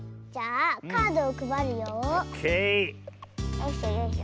よいしょよいしょ。